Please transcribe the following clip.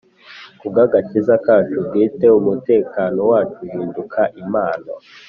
ku bw'agakiza kacu bwite, umutekano wacu uhinduka impano